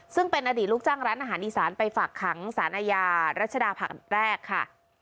ซึ่งเป็นอดีตลูกจ้างร้านอาหารอีสานไปฝากขังสารอาญารัชดาผักแรกค่ะ